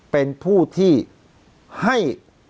เป็นผู้ที่ให้